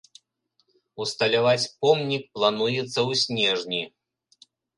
Усталяваць помнік плануецца ў снежні.